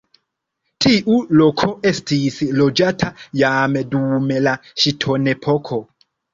Tiu loko estis loĝata jam dum la ŝtonepoko.